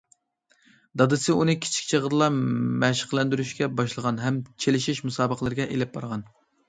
دادىسى ئۇنى كىچىك چېغىدىلا مەشىقلەندۈرۈشكە باشلىغان ھەم چېلىشىش مۇسابىقىلىرىگە ئېلىپ بارغان.